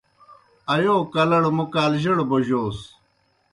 ایو کالَڑ موْ کالجَڑ بوجوس۔